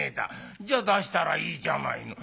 「じゃ出したらいいじゃないの」。